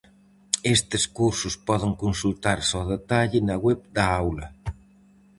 Estes cursos poden consultarse ao detalle na web da aula.